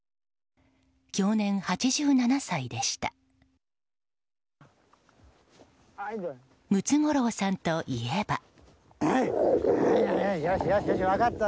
享年８７歳でした。